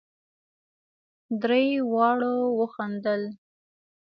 درې واړو وخندل.